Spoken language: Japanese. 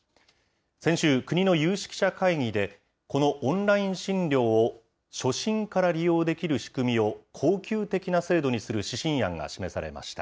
先週、国の有識者会議で、このオンライン診療を初診から利用できる仕組みを恒久的な制度にする指針案が示されました。